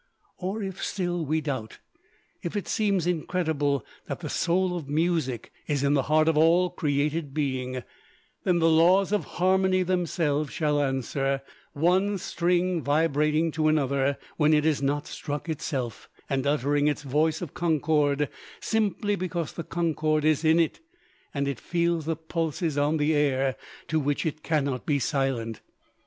Or if still we doubt; if it seems incredible that the soul of music is in the heart of all created being; then the laws of harmony themselves shall answer, one string vibrating to another, when it is not struck itself, and uttering its voice of concord simply because the concord is in it and it feels the pulses on the air to which it cannot be silent.